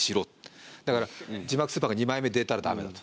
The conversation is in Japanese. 「だから字幕スーパーが２枚目出たら駄目だ」と。